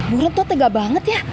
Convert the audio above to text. bu nurah tuh tega banget ya